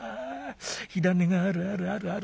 火種があるあるあるある。